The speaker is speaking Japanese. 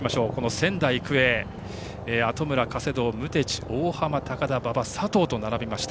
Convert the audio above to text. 仙台育英は後村、加世堂ムテチ、大濱、高田馬場、佐藤と並びました。